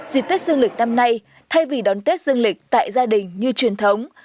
dịp tết dương lịch năm nay thay vì đón tết dương lịch tại gia đình như truyền thống